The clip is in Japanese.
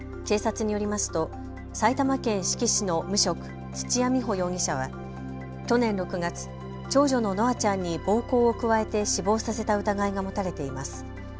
警察によりますと埼玉県志木市の無職、土屋美保容疑者は去年６月、長女の夢空ちゃんに暴行を加えて死亡させた疑いが持たれています。